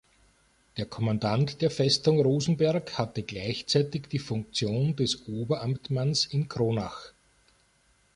Der Kommandant der Festung Rosenberg hatte gleichzeitig die Funktion des Oberamtmanns in Kronach.